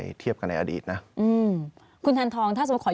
ที่เกี่ยวข้องกับทรัพย์สมบัติซับศีลบรดกของตระกูลธรรมวัฒนาเลยหรือเปล่า